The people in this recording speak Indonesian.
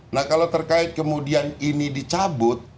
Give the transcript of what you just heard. nah kalau terkait kemudian ini dicabut